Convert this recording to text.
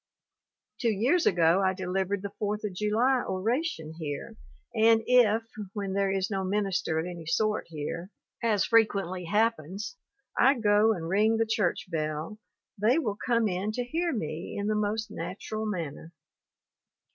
Two years ago I delivered the Fourth of July oration here, and if, when there is no minister of any sort here, as fre quently happens, I go and ring the church bell, they will come in to hear me in the most natural manner.